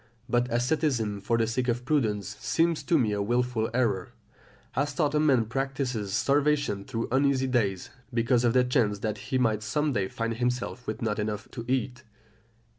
But asceticism for the sake of prudence seems to me a wilful error, as though a man practised starvation through uneasy days, because of the chance that he might some day find himself with not enough to eat.